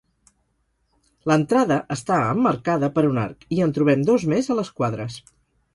L'entrada està emmarcada per un arc, i en trobem dos més a les quadres.